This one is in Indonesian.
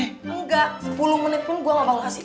engga sepuluh menit pun gue ga mau kasih